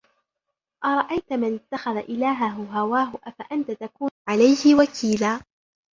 أَرَأَيْتَ مَنِ اتَّخَذَ إِلَهَهُ هَوَاهُ أَفَأَنْتَ تَكُونُ عَلَيْهِ وَكِيلًا